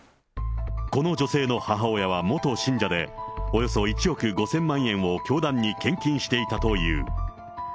この女性の母親は元信者でおよそ１億５０００万円を教団に献金していたという。